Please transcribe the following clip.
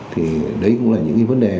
thì đấy cũng là những vấn đề